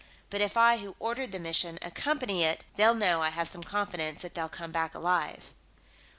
But if I, who ordered the mission, accompany it, they'll know I have some confidence that they'll come back alive."